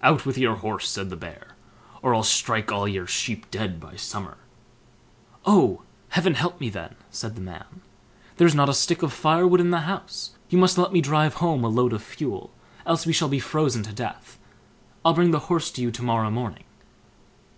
"Out with your horse", said the Bear, "or I'll strike all your sheep dead by summer." "Oh! heaven help me then", said the man; "there's not a stick of firewood in the house; you must let me drive home a load of fuel, else we shall be frozen to death. I'll bring the horse to you to morrow morning."